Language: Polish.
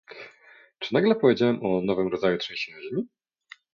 Czy nagle powiedziałem o nowym rodzaju trzęsienia ziemi?